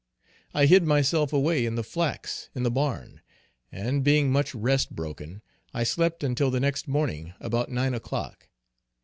I hid myself away in the flax in the barn, and being much rest broken I slept until the next morning about 9 o'clock.